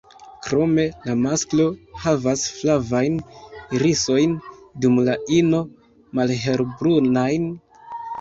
Krome la masklo havas flavajn irisojn, dum la ino malhelbrunajn.